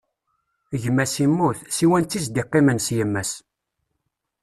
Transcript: Gma-s immut, siwa netta i s-d-iqqimen s yemma-s.